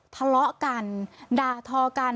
ทะเลาะกันด่าทอกัน